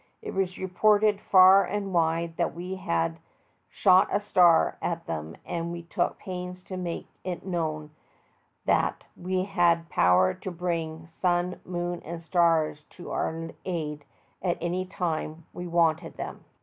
It was reported far and wide that we had "shot a star" at them, and we took pains to make it known that we had power to bring sun, moon and stars to our aid at any time we wanted them.